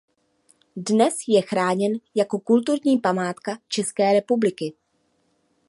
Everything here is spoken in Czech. Dnes je chráněn jako kulturní památka České republiky.